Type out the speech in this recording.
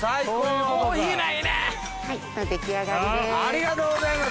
はい出来上がりです。